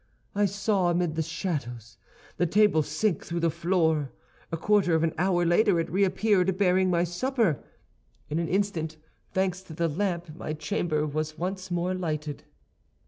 I saw, amid the shadows, the table sink through the floor; a quarter of an hour later it reappeared, bearing my supper. In an instant, thanks to the lamp, my chamber was once more lighted.